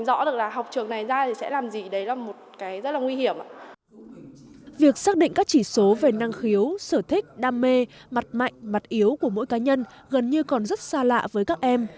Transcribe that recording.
vì vậy các em đã tìm ra những năng khiếu sở thích đam mê mặt mạnh mặt yếu của mỗi cá nhân gần như còn rất xa lạ với các em